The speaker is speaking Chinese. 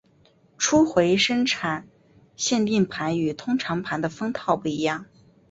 初回生产限定盘与通常盘的封套不一样。